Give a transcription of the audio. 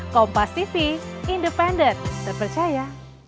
kompas tv independen terpercaya